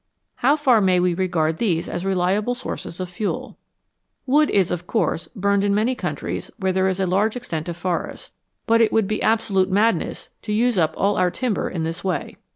How far may we regard these as reliable sources of fuel ? Wood, is, of course burned in many countries where there is a large extent of forest, but it would be absolute madness to use up all our timber in this way.